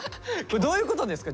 どういうことですか？